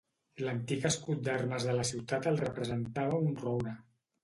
L'antic escut d'armes de la ciutat el representava un roure.